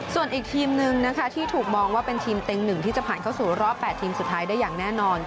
ส่วนอีกทีมนึงนะคะที่ถูกมองว่าเป็นทีมเต็ง๑ที่จะผ่านเข้าสู่รอบ๘ทีมสุดท้ายได้อย่างแน่นอน